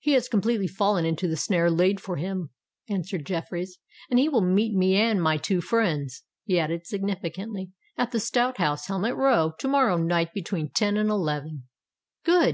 "He has completely fallen into the snare laid for him," answered Jeffreys; "and will meet me and my two friends," he added significantly, "at the Stout House, Helmet Row, to morrow night between ten and eleven." "Good!"